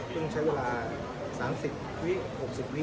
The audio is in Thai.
เพิ่งใช้เวลา๓๐วิหรือ๖๐วิ